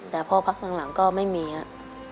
แต่พอพักหลังก็ไม่มีครับ